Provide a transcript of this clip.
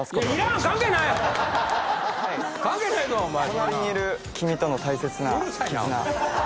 隣にいる君との大切な絆。